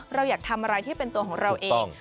เราอยากทำอะไรที่เป็นตัวของเราเอง